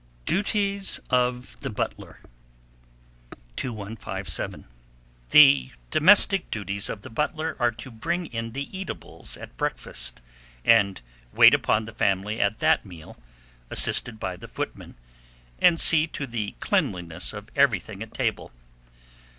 DUTIES OF THE BUTLER. 2157. The domestic duties of the butler are to bring in the eatables at breakfast, and wait upon the family at that meal, assisted by the footman, and see to the cleanliness of everything at table.